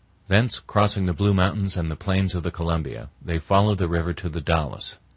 Thence, crossing the Blue Mountains and the plains of the Columbia, they followed the river to the Dalles.